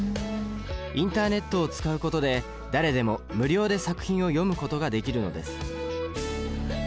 インターネットを使うことで誰でも無料で作品を読むことができるのです。